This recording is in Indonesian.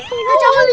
kita jangan lupa